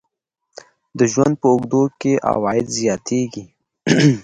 د ژوند په اوږدو کې عواید زیاتیږي.